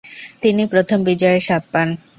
তিনি প্রথম বিজয়ের স্বাদ পান।